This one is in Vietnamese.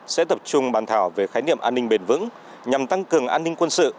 sẽ tập trung bàn thảo về khái niệm an ninh bền vững nhằm tăng cường an ninh quân sự